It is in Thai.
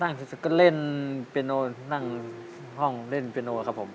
นั่งเฉยก็เล่นเพียโนนั่งห้องเล่นเพียโนครับผม